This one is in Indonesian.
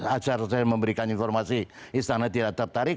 acara saya memberikan informasi istana tidak tertarik